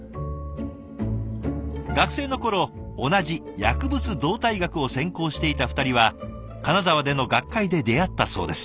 学生の頃同じ薬物動態学を専攻していた２人は金沢での学会で出会ったそうです。